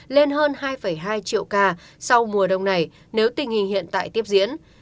lên hơn hai hai triệu ca sau mùa đông này nếu tình hình hiện tại tiếp diễn